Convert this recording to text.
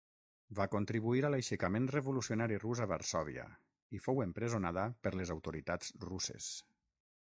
Va contribuir a l'aixecament revolucionari rus a Varsòvia, i fou empresonada per les autoritats russes.